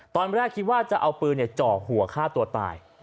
ตอนแรกคิดว่าจะเอาปืนจ่อหัวฆ่าตัวตาย